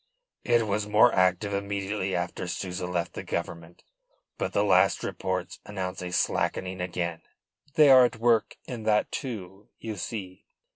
"It was more active immediately after Souza left the Government. But the last reports announce a slackening again." "They are at work in that, too, you see.